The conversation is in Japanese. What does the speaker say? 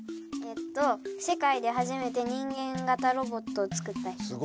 えっと「世界で初めて人間がたロボットをつくった人」。